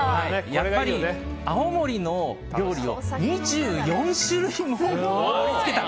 やっぱり青森の料理を２４種類も盛り付けた。